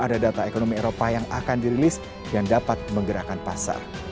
ada data ekonomi eropa yang akan dirilis yang dapat menggerakkan pasar